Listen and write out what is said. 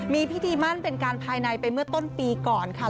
มีพิธีมั่นเป็นการภายในไปเมื่อต้นปีก่อนค่ะ